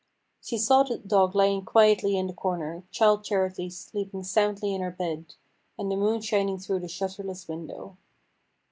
She saw the dog lying quietly in the corner, Childe Charity sleeping soundly in her bed, and the moon shining through the shutterless window.